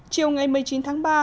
chiều ngày một mươi chín tháng ba